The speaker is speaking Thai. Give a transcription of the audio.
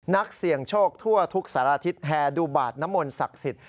นักเสี่ยงโชคทั่วทุกสารทิศแห่ดูบาทน้ำมนต์ศักดิ์สิทธิ